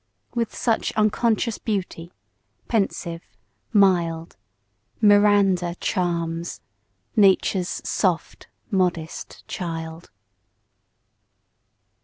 With such unconscious beauty, pensive, mild, Miranda charms Nature's soft modest child.